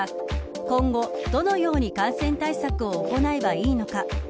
今後どのように感染対策を行えばいいのか。